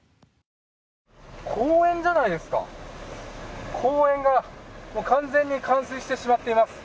公園じゃないですか、公園が完全に冠水してしまっています。